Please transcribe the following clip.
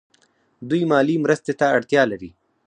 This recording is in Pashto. دوی مالي مرستې ته اړتیا لري.